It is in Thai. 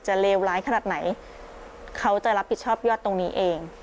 เลวร้ายขนาดไหนเขาจะรับผิดชอบยอดตรงนี้เอง